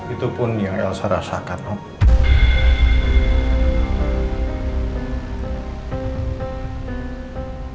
itu pun yang elsa rasakan om